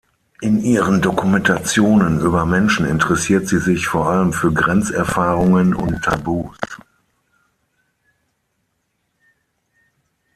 In ihren Dokumentationen über Menschen interessiert sie sich vor allem für Grenzerfahrungen und Tabus.